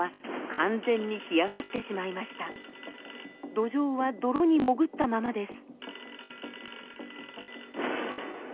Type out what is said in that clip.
ドジョウは泥に潜ったままです。